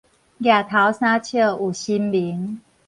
攑頭三尺有神明